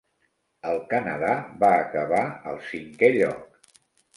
El Canadà va acabar al cinquè lloc.